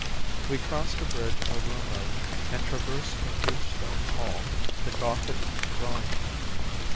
We crossed a bridge over a moat and traversed a huge stone hall to the Gothic drawing room.